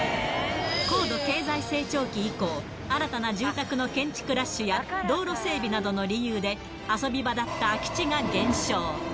高度経済成長期以降、新たな住宅の建築ラッシュや道路整備などの理由で、遊び場だった空き地が減少。